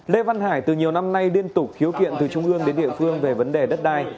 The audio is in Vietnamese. lê văn hải từ nhiều năm nay liên tục khiếu kiện từ trung ương đến địa phương về vấn đề đất đai